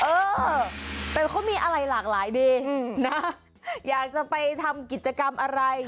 เออแต่เขามีอะไรหลากหลายดีนะอยากจะไปทำกิจกรรมอะไร